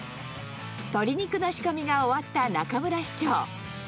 鶏肉の仕込みが終わった中村士長。